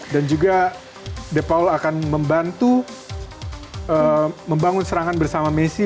dan juga de paul akan membantu membangun serangan bersama messi